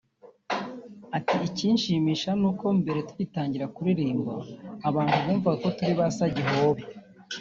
ati “Icyinshimisha nuko mbere tugitangira kuririmba abantu bumvaga ko turi basagihobe